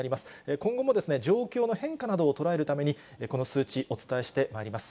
今後も状況の変化などを捉えるために、この数値、お伝えしてまいります。